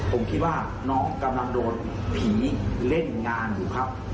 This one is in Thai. ผมคิดว่าน้องกำลังโดนผีเล่นงานอยู่ครับ